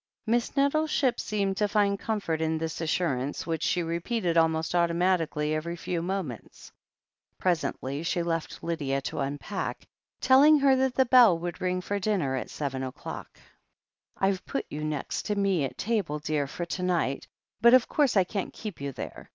Miss Nettleship seemed to find comfort in this assur ance, which she repeated almost automatically every few moments. Presently she left Lydia to unpack, telling her that the bell would ring for dinner at seven o'clock. "I've put you next me at table, dear, for to night, but of course I can't keep you there.